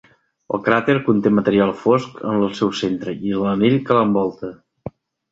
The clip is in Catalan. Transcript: El cràter conté material fosc en el seu centre i en l'anell que l'envolta.